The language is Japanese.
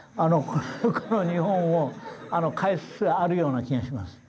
この日本を変えつつあるような気がします。